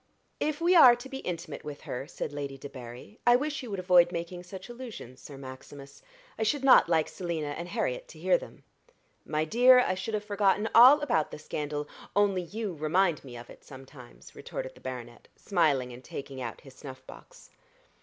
"If we are to be intimate with her," said Lady Debarry, "I wish you would avoid making such allusions, Sir Maximus. I should not like Selina and Harriet to hear them." "My dear, I should have forgotten all about the scandal, only you remind me of it sometimes," retorted the baronet, smiling and taking out his snuff box.